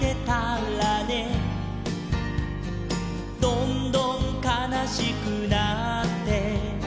「どんどんかなしくなって」